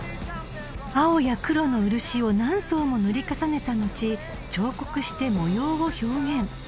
［青や黒の漆を何層も塗り重ねた後彫刻して模様を表現］